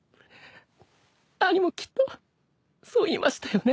兄もきっとそう言いましたよね。